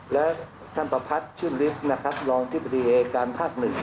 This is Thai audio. และท่านปรับพัฒชื่อนริฟต์เรองทฤษฎีเอการป์๑